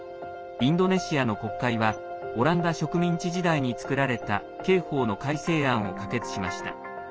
インドネシアの国会はオランダ植民地時代に作られた刑法の改正案を可決しました。